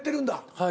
はい。